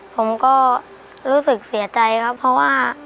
ผมก็รู้สึกเสียใจครับเพราะว่า